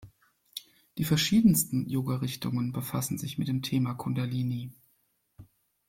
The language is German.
Die verschiedensten Yoga-Richtungen befassen sich mit dem Thema Kundalini.